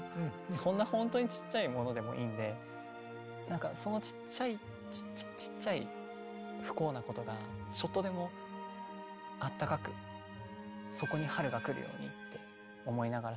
そんな本当にちっちゃいものでもいいんでなんかそのちっちゃいちっちゃいちっちゃい不幸なことがちょっとでもあったかくそこに春が来るようにって思いながら滑ってますね。